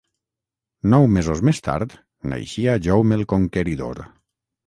Nou mesos més tard, naixia Jaume el Conqueridor.